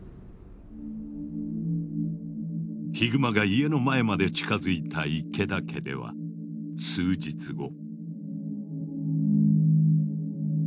ヒグマが家の前まで近づいた池田家では数日後。